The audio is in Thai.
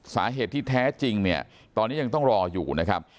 สาเหตุที่แท้จริงเนี่ยตอนนี้ยังต้องรออยู่นะครับ